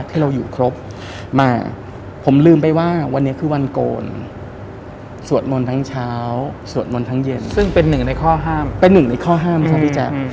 ก็ถือว่าเราระทิงท่องุงที่